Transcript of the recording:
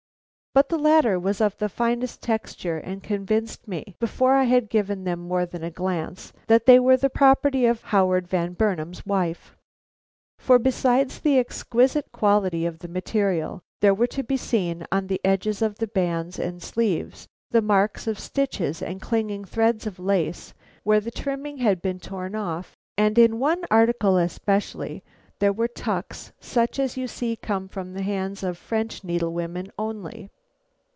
But the latter was of the finest texture, and convinced me, before I had given them more than a glance, that they were the property of Howard Van Burnam's wife. For, besides the exquisite quality of the material, there were to be seen, on the edges of the bands and sleeves, the marks of stitches and clinging threads of lace, where the trimming had been torn off, and in one article especially, there were tucks such as you see come from the hands of French needlewomen only.